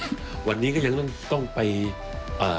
สิ่งอะไรที่ให้ทำเป็นอย่างแรกก็คือภารกิจสิ้นสุดแล้ว